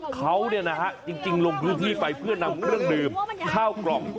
เขาจริงลงพื้นที่ไปเพื่อนำเครื่องดื่มข้าวกล่อง